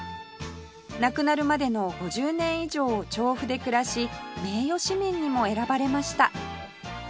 亡くなるまでの５０年以上を調布で暮らし名誉市民にも選ばれました